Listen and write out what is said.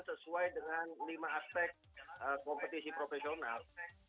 sesuai dengan lima aspek kompetisi profesional